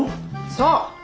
そう！